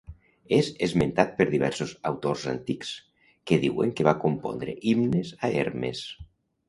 És esmentat per diversos autors antics, que diuen que va compondre himnes a Hermes.